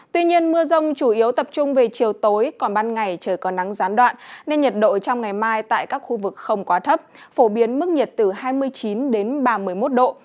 tuy nhiên mưa rông chủ yếu tập trung về chiều tối còn ban ngày trời còn nắng gián đoạn nên nhiệt độ trong ngày mai tại các khu vực không quá thấp phổ biến mức nhiệt từ hai mươi chín đến ba mươi một độ